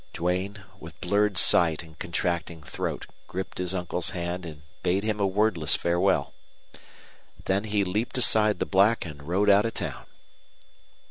Duane, with blurred sight and contracting throat, gripped his uncle's hand and bade him a wordless farewell. Then he leaped astride the black and rode out of town.